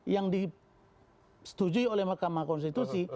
yang disetujui oleh mahkamah konstitusi